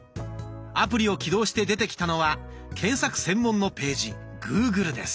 アプリを起動して出てきたのは検索専門のページ「グーグル」です。